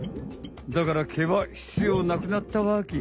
だから毛はひつようなくなったわけ。